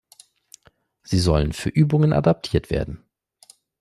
Sie sollen für Übungen adaptiert werden.